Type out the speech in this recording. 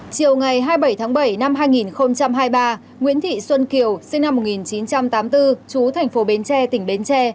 chiều ngày hai mươi bảy tháng bảy năm hai nghìn hai mươi ba nguyễn thị xuân kiều sinh năm một nghìn chín trăm tám mươi bốn chú thành phố bến tre tỉnh bến tre